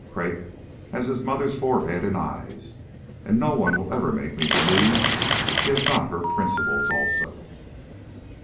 Craik has his mother's forehead and eyes, and no one will ever make me believe he has not her principles also."